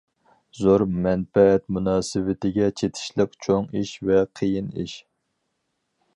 زور مەنپەئەت مۇناسىۋىتىگە چېتىشلىق چوڭ ئىش ۋە قىيىن ئىش.